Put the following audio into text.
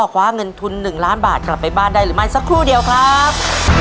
คว้าเงินทุน๑ล้านบาทกลับไปบ้านได้หรือไม่สักครู่เดียวครับ